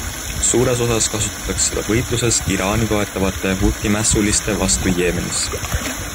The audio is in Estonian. Suures osas kasutatakse seda võitluses Iraani toetatavate huthi mässuliste vastu Jeemenis.